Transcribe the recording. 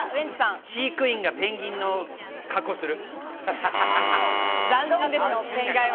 飼育員がペンギンの格好をする。